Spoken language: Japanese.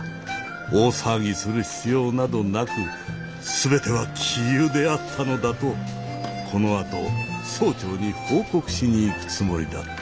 大騒ぎする必要などなく全ては杞憂であったのだとこのあと総長に報告しに行くつもりだった。